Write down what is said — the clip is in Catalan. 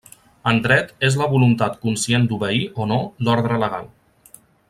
En dret és la voluntat conscient d'obeir o no l'ordre legal.